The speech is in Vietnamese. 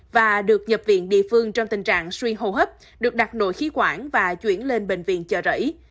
và được nhập viện địa phương trong tình trạng suy hô hấp được đặt nội khí quản và chuyển lên bệnh viện chợ rẫy